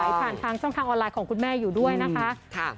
ผ่านทางช่องทางออนไลน์ของคุณแม่อยู่ด้วยนะคะ